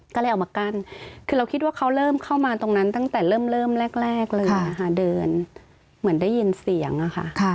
ก็เลยเอามากั้นคือเราคิดว่าเขาเริ่มเข้ามาตรงนั้นตั้งแต่เริ่มแรกเลยนะคะเดินเหมือนได้ยินเสียงอะค่ะ